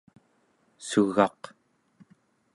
sugaq